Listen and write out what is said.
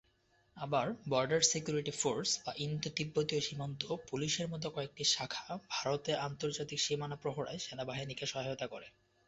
আবার border security force বা ইন্দো-তিব্বতীয় সীমান্ত পুলিশের মতো কয়েকটি শাখা ভারতের আন্তর্জাতিক সীমানা প্রহরায় সেনাবাহিনীকে সহায়তা করে।